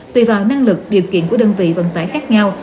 tùy vào năng lực điều kiện của đơn vị vận tải khác nhau